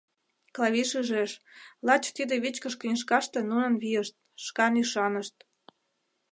Клавий шижеш, лач тиде вичкыж книжкаште нунын вийышт, шкан ӱшанышт.